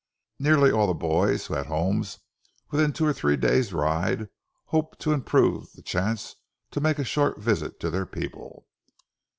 Nearly all the boys, who had homes within two or three days' ride, hoped to improve the chance to make a short visit to their people.